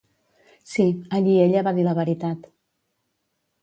Sí, allí ella va dir la veritat.